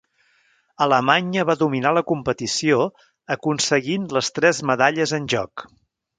Alemanya va dominar la competició, aconseguint les tres medalles en joc.